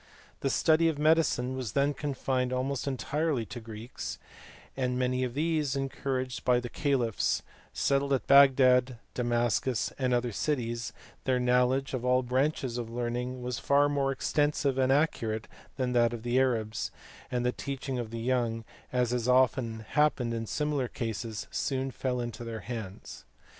The study of medicine was then confined almost entirely to Greeks, and many of these, en couraged by the caliphs, settled at Bagdad, Damascus, and other cities ; their knowledge of all branches of learning was far more extensive and accurate than that of the Arabs, and the teaching of the young, as has often happened in similar cases, soon fell into their hands.